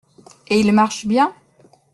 Et il marche bien?